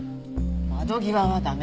窓際は駄目。